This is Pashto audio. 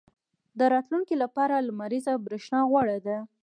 • د راتلونکي لپاره لمریزه برېښنا غوره ده.